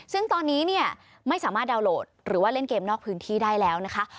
ซึ่งตอนนี้เนี่ยไม่สามารถดาวน์โหลดหรือว่าเล่นเกมนอกพื้นที่ได้แล้วนะคะ